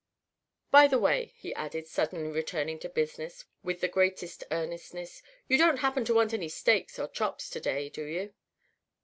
By the way," he added, suddenly returning to business with the greatest earnestness, "you don't happen to want any steaks or chops to day, do you?"